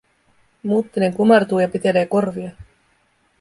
Muttinen kumartuu ja pitelee korviaan.